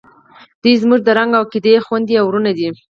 دوئ زموږ د رنګ او عقیدې خویندې او ورونه دي.